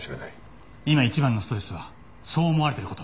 今一番のストレスはそう思われてる事。